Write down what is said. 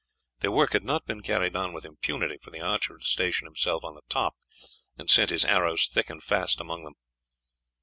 Their work had not been carried on with impunity, for the archer had stationed himself on the top and sent his arrows thick and fast among them.